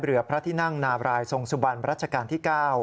เรือพระที่นั่งนาบรายทรงสุบันรัชกาลที่๙